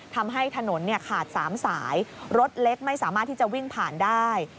ทำให้ถนนขาด๓สายรถเล็กไม่สามารถที่จะวิ่งผ่านได้